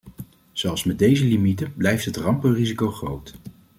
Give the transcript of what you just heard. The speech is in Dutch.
Zelfs met deze limieten blijft het rampenrisico groot.